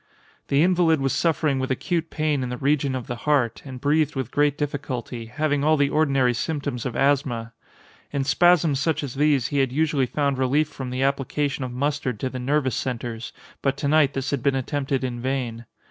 The invalid was suffering with acute pain in the region of the heart, and breathed with great difficulty, having all the ordinary symptoms of asthma. In spasms such as these he had usually found relief from the application of mustard to the nervous centres, but to night this had been attempted in vain.